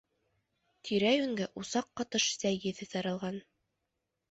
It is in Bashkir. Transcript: Тирә-йүнгә усаҡ ҡатыш сәй еҫе таралған.